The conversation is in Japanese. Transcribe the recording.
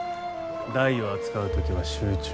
台を扱う時は集中。